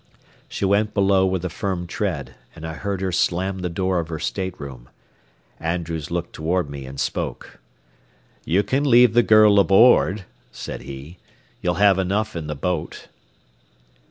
She went below with a firm tread, and I heard her slam the door of her stateroom. Andrews looked toward me and spoke. "You can leave the girl aboard," said he. "You'll have enough in the boat."